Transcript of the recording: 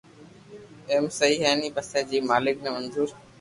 ايم سھي ھي ني پسي جيم مالڪ ني منظور